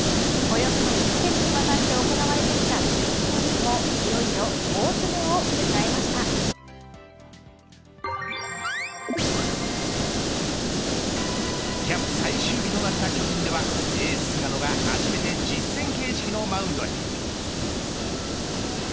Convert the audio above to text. およそ１カ月にわたって行われてきた春季キャンプもいよいよキャンプ最終日となった巨人ではエース菅野が初めて実戦形式のマウンドへ。